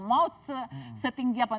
mau setinggi apa